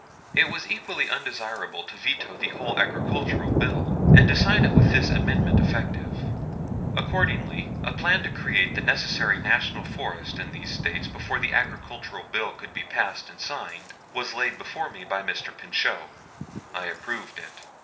It was equally undesirable to veto the whole agricultural bill, and to sign it with this amendment effective. Accordingly, a plan to create the necessary National Forest in these States before the Agricultural Bill could be passed and signed was laid before me by Mr. Pinchot. I approved it.